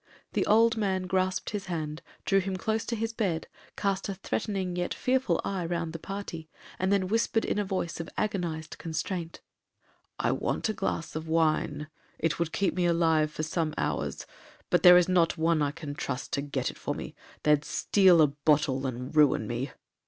The old man grasped his hand, drew him close to his bed, cast a threatening yet fearful eye round the party, and then whispered in a voice of agonized constraint, 'I want a glass of wine, it would keep me alive for some hours, but there is not one I can trust to get it for me,—they'd steal a bottle, and ruin me.'